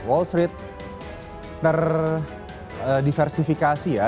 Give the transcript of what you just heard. wall street terdiversifikasi ya